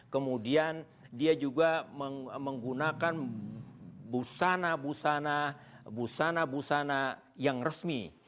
kemudian dia juga menggunakan busana busana yang resmi